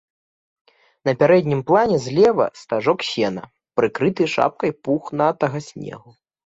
На пярэднім плане злева стажок сена, прыкрыты шапкай пухнатага снегу.